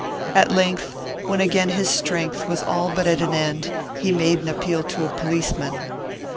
At length, when again his strength was all but at an end, he made appeal to a policeman.